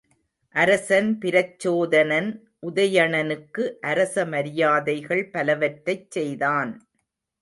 அரசன் பிரச்சோதனன், உதயணனுக்கு அரச மரியாதைகள் பலவற்றைச் செய்தான்.